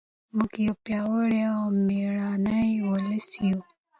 موږ یو پیاوړی او مېړنی ولس یو.